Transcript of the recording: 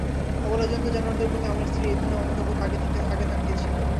অবলা জন্তু-জানোয়ারদের প্রতি আমার স্ত্রীর এই ধরনের মমতাবোধ আগে থাকতেই ছিল।